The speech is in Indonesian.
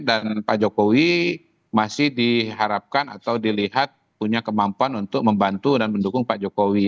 dan pak jokowi masih diharapkan atau dilihat punya kemampuan untuk membantu dan mendukung pak jokowi